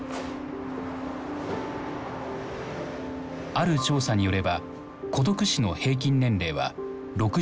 ある調査によれば孤独死の平均年齢は６１．６歳。